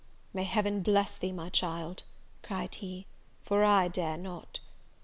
"May Heaven bless thee, my child! "cried he, "for I dare not."